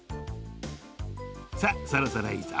さあそろそろいいぞ。